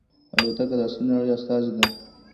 الوتکه د عصري نړۍ استازې ده.